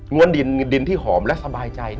้วนดินที่หอมและสบายใจ